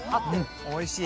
おいしい。